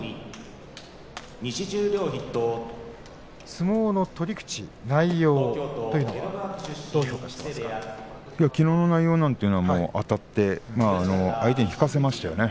相撲の取り口、内容きのうの内容なんていうのはあたって相手に引かせましたよね。